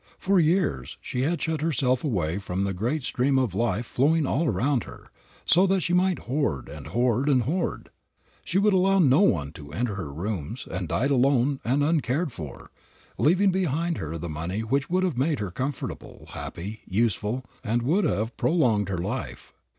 For years she had shut herself away from the great stream of life flowing all around her, so that she might hoard, and hoard, and hoard. She would allow no one to enter her rooms, and died alone and uncared for, leaving behind her the money which would have made her comfortable, happy, useful, and would have prolonged her life.